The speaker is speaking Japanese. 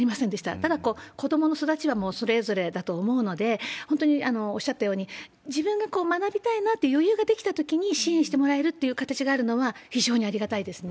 ただ、子どもの育ちはもうそれぞれだと思うので、本当におっしゃったように、自分が学びたいなって余裕ができたときに支援してもらえるという形があるのは、非常にありがたいですね。